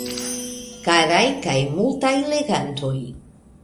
Karaj kaj multaj legantoj.